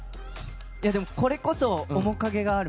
でも、これこそ面影がある。